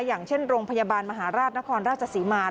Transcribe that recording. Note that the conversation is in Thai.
อย่างเช่นโรงพยาบาลมหาราชนครราชศรีมา